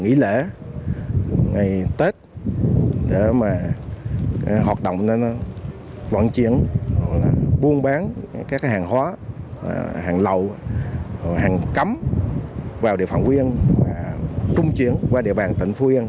nghỉ lễ ngày tết để mà hoạt động loạn chuyển buôn bán các hàng hóa hàng lậu hàng cắm vào địa phòng quyên trung chuyển qua địa bàn tỉnh phú yên